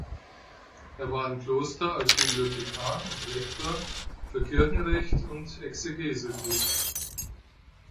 Er war im Kloster als Bibliothekar und Lektor für Kirchenrecht und Exegese tätig.